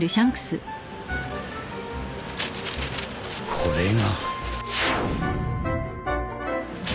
これが